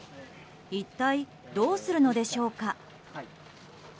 一体、どうするのでしょうか？